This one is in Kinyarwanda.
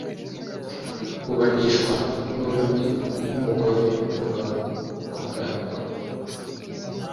kubanishwa n’undi nk’umugore n’umugabo ku gahato